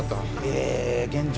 え現状